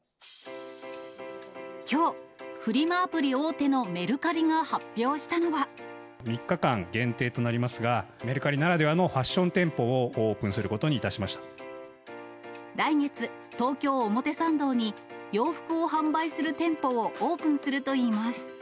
きょう、フリマアプリ大手のメル３日間限定となりますが、メルカリならではのファッション店舗をオープンすることにいたし来月、東京・表参道に、洋服を販売する店舗をオープンするといいます。